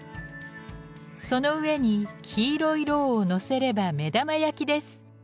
その上に黄色い蝋を載せれば目玉焼きです。